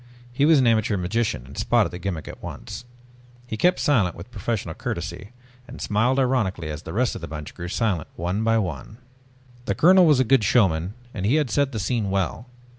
He was an amateur magician and spotted the gimmick at once. He kept silent with professional courtesy, and smiled ironically as the rest of the bunch grew silent one by one. The colonel was a good showman and he had set the scene well.